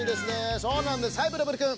そうなんですはいブルブルくん。